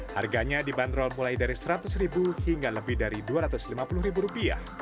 harganya dibanderol mulai dari rp seratus hingga lebih dari rp dua ratus lima puluh